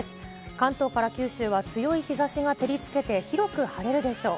関東から九州は強い日ざしが照りつけて、広く晴れるでしょう。